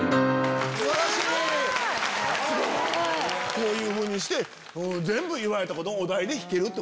こういうふうにして全部言われたことをお題に弾ける。